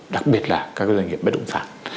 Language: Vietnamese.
đặc biệt là các doanh nghiệp bất động sản